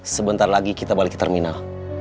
sebentar lagi kita balik ke terminal